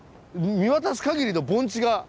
見渡すかぎりの盆地が。